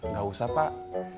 gak usah pak